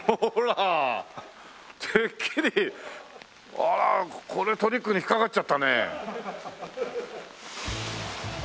あらこれトリックに引っかかっちゃったね。